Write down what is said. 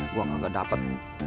gue kagak dapet